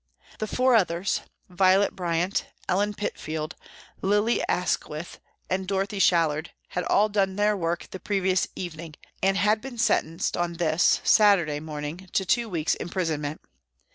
The four others Violet Bryant, Ellen Pitfield, Lily Asquith and Dorothy Shallard had all done their work the previous evening, and had been sentenced on this, Saturday, morning to two weeks' imprisonment.